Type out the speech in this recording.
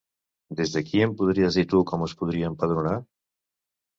Des d'aquí em pots dir tu com es podria empadronar?